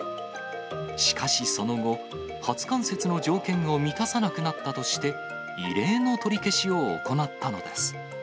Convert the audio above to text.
しかしその後、初冠雪の条件を満たさなくなったとして、異例の取り消しを行ったのです。